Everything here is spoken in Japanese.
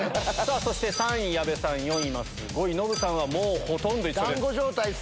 そして３位矢部さん、４位まっすー、５位のぶさんはもうほとんど一緒です。